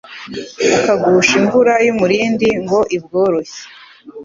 ukagusha imvura y’umurindi ngo ibworoshye